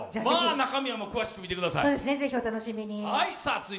中身は詳しく見てください。